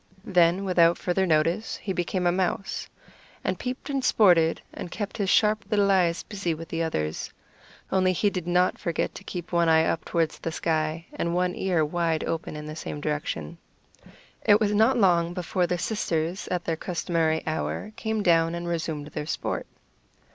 Then, without further notice, he became a mouse, and peeped and sported, and kept his sharp little eyes busy with the others; only he did not forget to keep one eye up toward the sky, and one ear wide open in the same direction. It was not long before the sisters, at their customary hour, came down and resumed their sport.